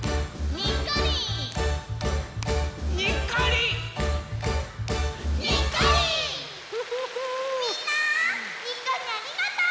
みんなにっこりありがとう！